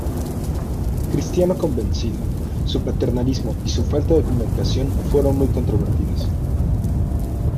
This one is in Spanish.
Cristiano convencido, su paternalismo y su falta de comunicación fueron muy controvertidas.